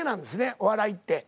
お笑いって。